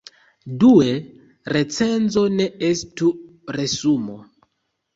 Due, recenzo ne estu resumo.